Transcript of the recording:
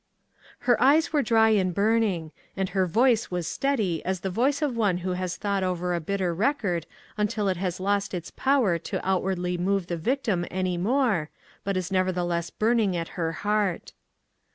Her eyes were dry and burning, and her voice was steady as the voice of one who has thought over a bitter record until it has lost its power to outwardly move the vic tim any more, but is nevertheless burning at her heart.